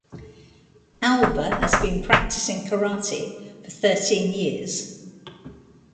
Alber has been practicing karate for thirteen years.